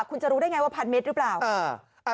คุณจะรู้ได้อย่างไรว่าพันเม็ดรึเปล่า